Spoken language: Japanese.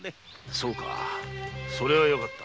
そうかそれはよかった。